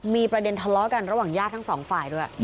มีประเด็นทะเลาะกันระหว่างญาติทั้งสองฝ่ายด้วย